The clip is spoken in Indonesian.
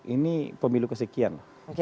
ini pemilu kesekian